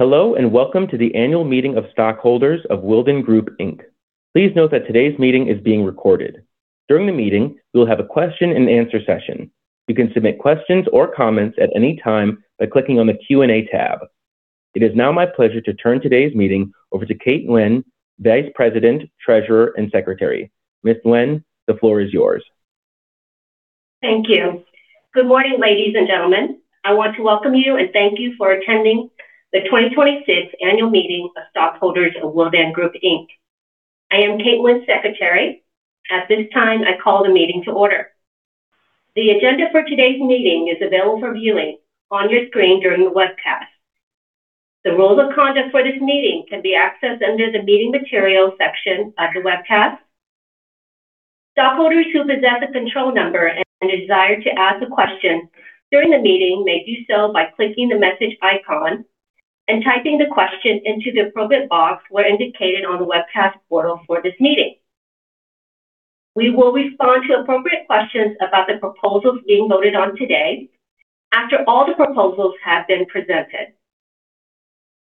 Hello, and welcome to the Annual Meeting of Stockholders of Willdan Group, Inc. Please note that today's meeting is being recorded. During the meeting, we will have a question and answer session. You can submit questions or comments at any time by clicking on the Q&A tab. It is now my pleasure to turn today's meeting over to Kate Nguyen, Vice President, Treasurer, and Secretary. Ms. Nguyen, the floor is yours. Thank you. Good morning, ladies and gentlemen. I want to welcome you and thank you for attending the 2026 Annual Meeting of Stockholders of Willdan Group, Inc. I am Kate Nguyen, Secretary. At this time, I call the meeting to order. The agenda for today's meeting is available for viewing on your screen during the webcast. The rules of conduct for this meeting can be accessed under the Meeting Materials section of the webcast. Stockholders who possess a control number and a desire to ask a question during the meeting may do so by clicking the message icon and typing the question into the appropriate box where indicated on the webcast portal for this meeting. We will respond to appropriate questions about the proposals being voted on today after all the proposals have been presented.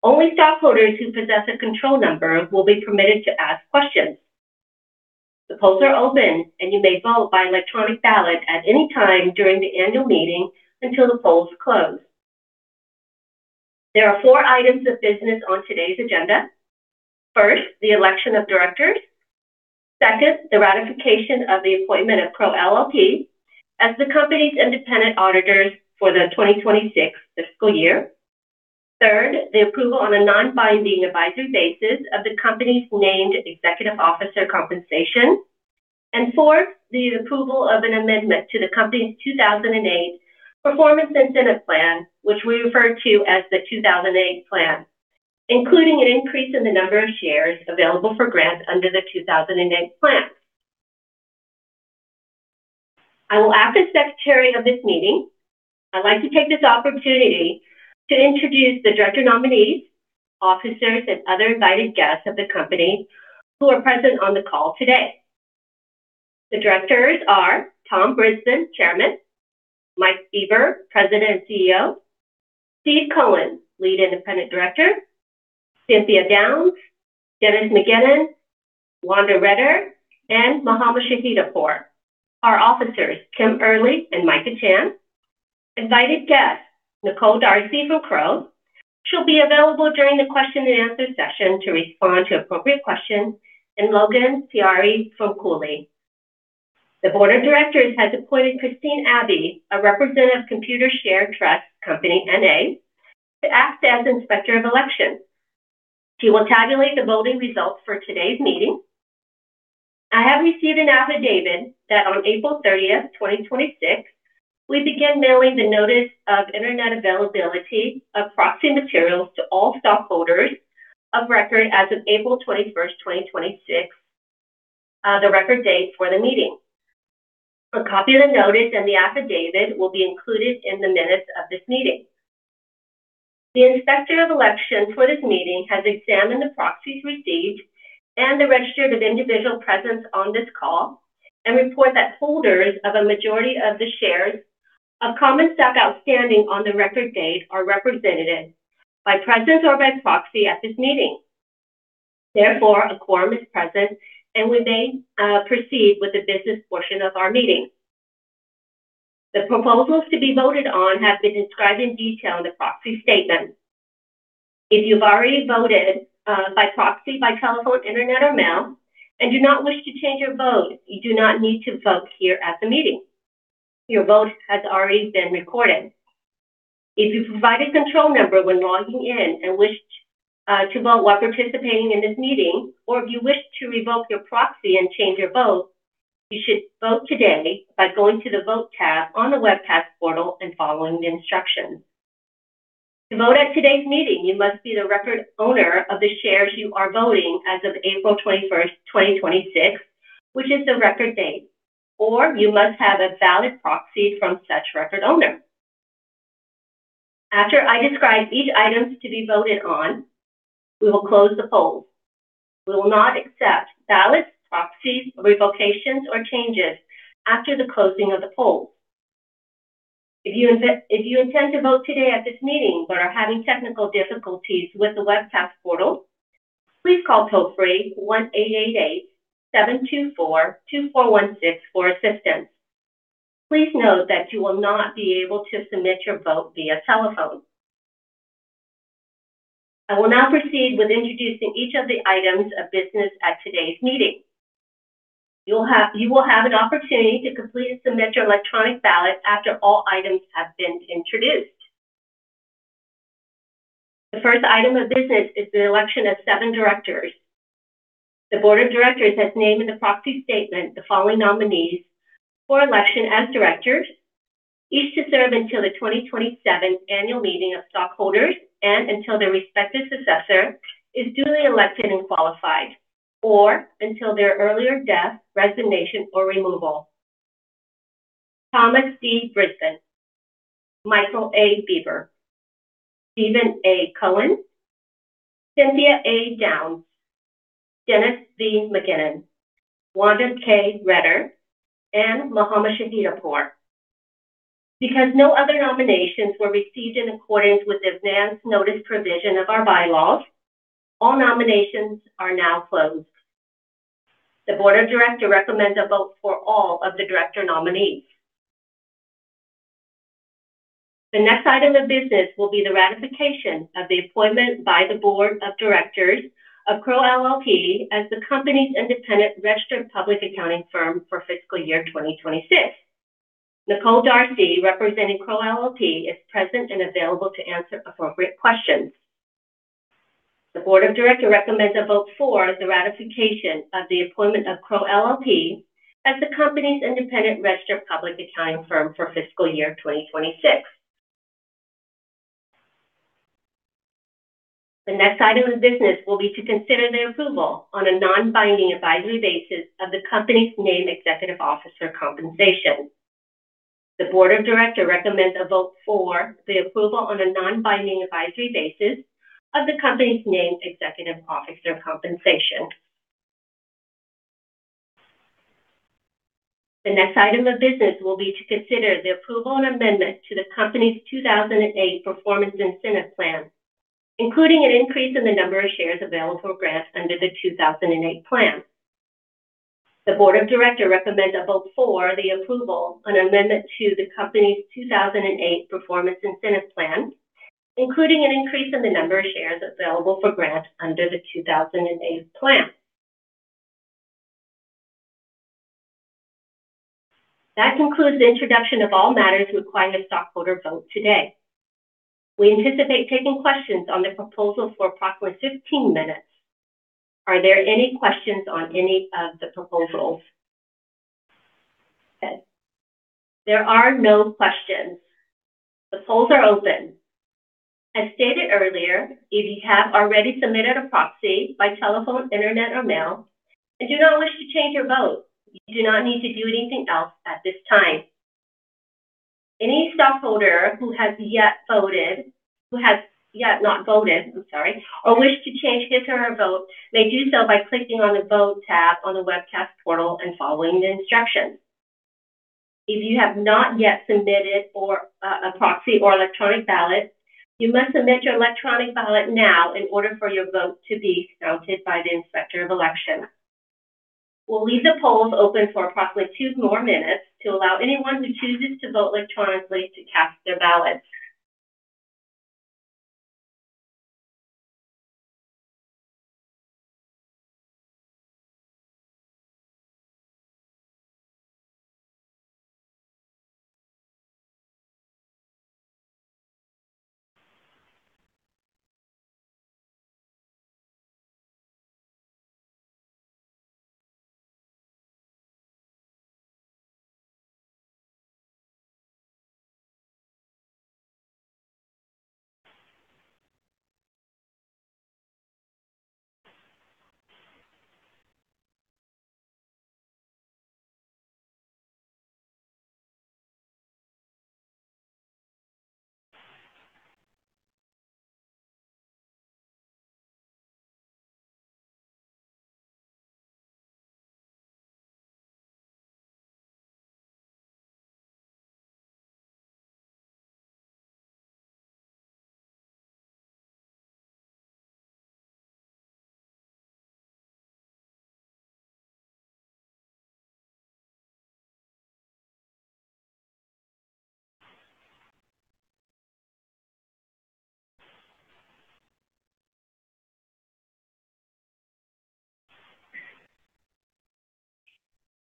Only stockholders who possess a control number will be permitted to ask questions. The polls are open, and you may vote by electronic ballot at any time during the annual meeting until the polls close. There are four items of business on today's agenda. First, the Election of Directors. Second, the ratification of the appointment of Crowe LLP as the company's independent auditors for the 2026 fiscal year. Third, the approval on a non-binding advisory basis of the company's named executive officer compensation. Fourth, the approval of an amendment to the company's 2008 Performance Incentive Plan, which we refer to as the 2008 Plan, including an increase in the number of shares available for grant under the 2008 Plan. I will act as Secretary of this meeting. I'd like to take this opportunity to introduce the director nominees, officers, and other invited guests of the company who are present on the call today. The directors are Tom Brisbin, Chairman; Mike Bieber, President and CEO; Steve Cohen, Lead Independent Director; Cynthia Downes, Dennis McGinn, Wanda Reder, and Mohammad Shahidehpour. Our officers, Kim Early and Micah Chen. Invited guests, Nicole D'Arcy from Crowe. She'll be available during the question and answer session to respond to appropriate questions. Logan Tiari from Cooley. The Board of Directors has appointed Christine Abbey, a representative of Computershare Trust Company N.A., to act as Inspector of Elections. She will tabulate the voting results for today's meeting. I have received an affidavit that on April 30th, 2026, we began mailing the notice of internet availability of proxy materials to all stockholders of record as of April 21st, 2026, the record date for the meeting. A copy of the notice and the affidavit will be included in the minutes of this meeting. The Inspector of Elections for this meeting has examined the proxies received and the register of individual presence on this call and report that holders of a majority of the shares of common stock outstanding on the record date are represented by presence or by proxy at this meeting. Therefore, a quorum is present, and we may proceed with the business portion of our meeting. The proposals to be voted on have been described in detail in the proxy statement. If you've already voted by proxy by telephone, internet or mail and do not wish to change your vote, you do not need to vote here at the meeting. Your vote has already been recorded. If you provided control number when logging in and wish to vote while participating in this meeting, or if you wish to revoke your proxy and change your vote, you should vote today by going to the Vote tab on the webcast portal and following the instructions. To vote at today's meeting, you must be the record owner of the shares you are voting as of April 21st, 2026, which is the record date, or you must have a valid proxy from such record owner. After I describe each item to be voted on, we will close the polls. We will not accept ballots, proxies, revocations, or changes after the closing of the polls. If you intend to vote today at this meeting but are having technical difficulties with the webcast portal, please call toll-free 1-888-724-2416 for assistance. Please note that you will not be able to submit your vote via telephone. I will now proceed with introducing each of the items of business at today's meeting. You will have an opportunity to complete and submit your electronic ballot after all items have been introduced. The first item of business is the election of seven directors. The Board of Directors has named in the proxy statement the following nominees for election as directors, each to serve until the 2027 Annual Meeting of Stockholders and until their respective successor is duly elected and qualified, or until their earlier death, resignation, or removal. Thomas D. Brisbin, Michael A. Bieber, Steven A. Cohen, Cynthia A. Downes, Dennis V. McGinn, Wanda K. Reder, and Mohammad Shahidehpour. Because no other nominations were received in accordance with advance notice provision of our bylaws, all nominations are now closed. The Board of Directors recommends a vote for all of the director nominees. The next item of business will be the ratification of the appointment by the Board of Directors of Crowe LLP as the company's independent registered public accounting firm for fiscal year 2026. Nicole D'Arcy, representing Crowe LLP, is present and available to answer appropriate questions. The Board of Directors recommends a vote for the ratification of the appointment of Crowe LLP as the company's independent registered public accounting firm for fiscal year 2026. The next item of business will be to consider the approval on a non-binding advisory basis of the company's named executive officer compensation. The Board of Directors recommends a vote for the approval on a non-binding advisory basis of the company's named executive officer compensation. The next item of business will be to consider the approval and amendment to the company's 2008 Performance Incentive Plan, including an increase in the number of shares available for grants under the 2008 Plan. The Board of Directors recommends a vote for the approval and amendment to the company's 2008 Performance Incentive Plan, including an increase in the number of shares available for grants under the 2008 Plan. That concludes the introduction of all matters requiring a stockholder vote today. We anticipate taking questions on the proposal for approximately 15 minutes. Are there any questions on any of the proposals? Okay. There are no questions. The polls are open. As stated earlier, if you have already submitted a proxy by telephone, Internet or mail and do not wish to change your vote, you do not need to do anything else at this time. Any stockholder who has yet not voted or wish to change his or her vote may do so by clicking on the Vote tab on the webcast portal and following the instructions. If you have not yet submitted a proxy or electronic ballot, you must submit your electronic ballot now in order for your vote to be counted by the Inspector of Elections. We'll leave the polls open for approximately two more minutes to allow anyone who chooses to vote electronically to cast their ballot.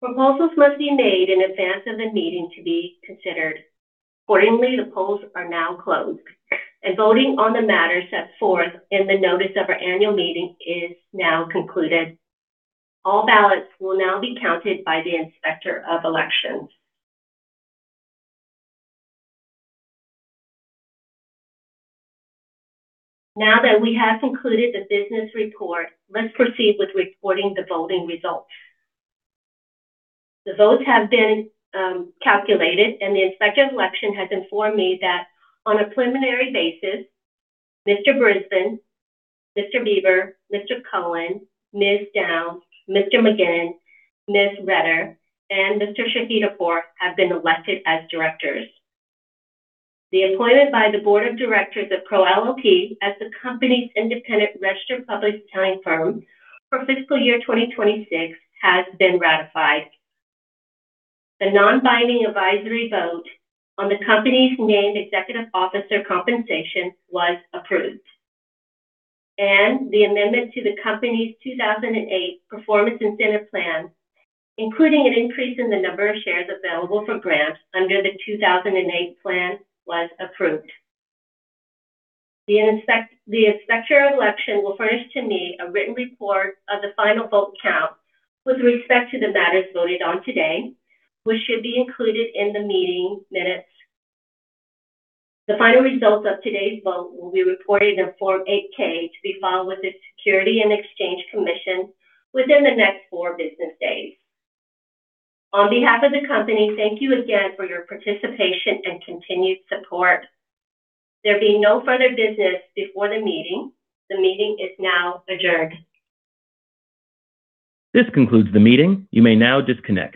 Proposals must be made in advance of the meeting to be considered. Accordingly, the polls are now closed, and voting on the matters set forth in the notice of our annual meeting is now concluded. All ballots will now be counted by the Inspector of Elections. Now that we have concluded the business report, let's proceed with reporting the voting results. The votes have been calculated, and the Inspector of Elections has informed me that on a preliminary basis, Mr. Brisbin, Mr. Bieber, Mr. Cohen, Ms. Downes, Mr. McGinn, Ms. Reder, and Mr. Shahidehpour have been elected as directors. The appointment by the Board of Directors of Crowe LLP as the company's independent registered public accounting firm for fiscal year 2026 has been ratified. The non-binding advisory vote on the company's named executive officer compensation was approved, and the amendment to the company's 2008 Performance Incentive Plan, including an increase in the number of shares available for grants under the 2008 Plan, was approved. The Inspector of Elections will furnish to me a written report of the final vote count with respect to the matters voted on today, which should be included in the meeting minutes. The final results of today's vote will be reported in Form 8-K to be filed with the Securities and Exchange Commission within the next four business days. On behalf of the company, thank you again for your participation and continued support. There being no further business before the meeting, the meeting is now adjourned. This concludes the meeting. You may now disconnect.